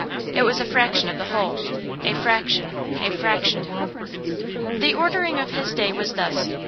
It was a fraction of the whole, a fraction, a fraction. The ordering of his day was thus.